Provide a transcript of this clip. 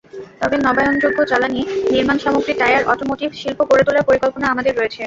তবে নবায়নযোগ্য জ্বালানি, নির্মাণসামগ্রী, tyre, automotive শিল্প গড়ে তোলার পরিকল্পনা আমাদের রয়েছে।